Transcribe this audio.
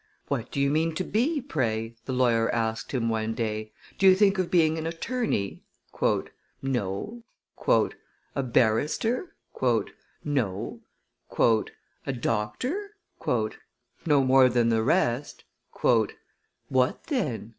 "What do you mean to be, pray?" the lawyer asked him one day; "do you think of being an attorney?" "No." "A barrister?" "No." "A doctor?" "No more than the rest." "What then?"